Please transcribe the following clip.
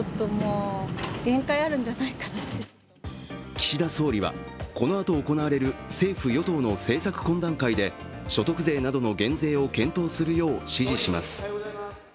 岸田総理は、このあと行われる政府・与党の政策懇談会で所得税などの減税を検討するよう指示します。